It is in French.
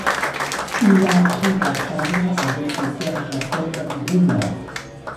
Il a appris à peindre avec son père, Jacob Grimmer.